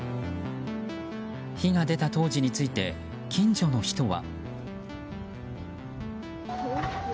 火が出た当時について近所の人は。